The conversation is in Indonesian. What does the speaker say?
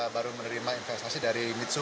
baru menerima investasi dari mitsu